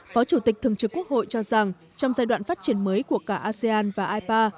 phó chủ tịch thường trực quốc hội cho rằng trong giai đoạn phát triển mới của cả asean và ipa